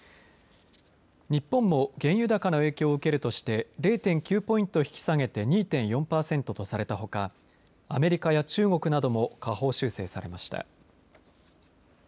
日本も原油高の影響を受けるとして０．９ポイント引き下げて２．４パーセントとされたほかアメリカや中国なども下方修正されました。